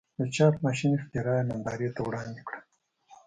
د چاپ ماشین اختراع یې نندارې ته وړاندې کړه.